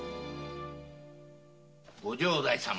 御城代様